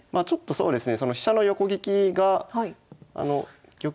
そうですね。